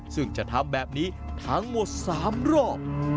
ซึ่งจะทำแบบนี้ทั้งหมด๓รอบ